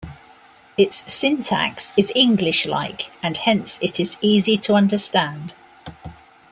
Its syntax is English-like and hence it is easy to understand.